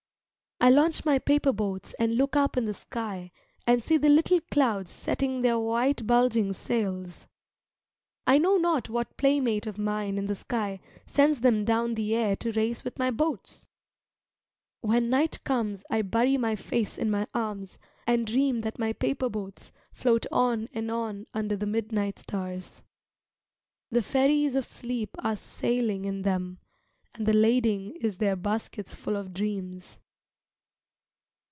I launch my paper boats and look up into the sky and see the little clouds setting their white bulging sails. I know not what playmate of mine in the sky sends them down the air to race with my boats! When night comes I bury my face in my arms and dream that my paper boats float on and on under the midnight stars. The fairies of sleep are sailing in them, and the lading is their baskets full of dreams.